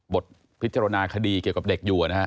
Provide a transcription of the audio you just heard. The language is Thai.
บทพิจารณาคดีเกี่ยวกับเด็กอยู่นะฮะ